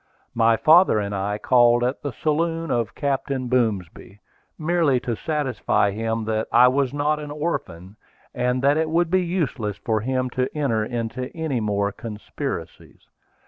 My father and I called at the saloon of Captain Boomsby, merely to satisfy him that I was not an orphan, and that it would be useless for him to enter into any more conspiracies.